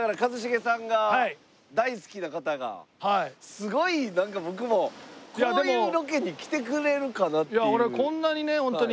すごいなんか僕もこういうロケに来てくれるかな？っていう。